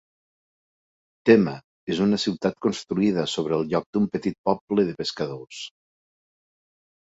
Tema és una ciutat construïda sobre el lloc d'un petit poble de pescadors.